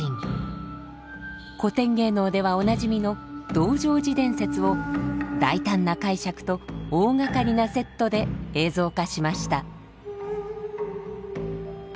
古典芸能ではおなじみの道成寺伝説を大胆な解釈と大掛かりなセットで映像化しました。